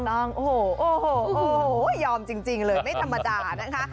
ต้องโอ้โหยอมจริงเลยไม่ธรรมดานะคะ